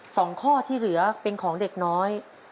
สองข้อที่เหลือเป็นของเด็กน้อย